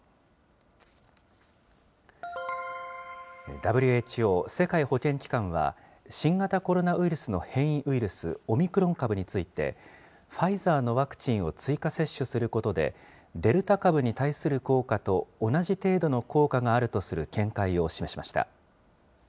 ＷＨＯ・世界保健機関は、新型コロナウイルスの変異ウイルス、オミクロン株について、ファイザーのワクチンを追加接種することで、デルタ株に対する効果と同じ程度の効果があるとする見解を示しました。